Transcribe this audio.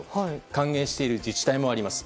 歓迎している自治体もあります。